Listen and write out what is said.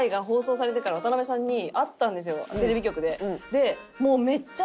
テレビ局で。